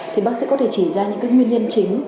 thì bác sĩ có thể chỉ ra những nguyên nhân chính